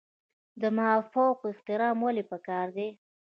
د مافوق احترام ولې پکار دی؟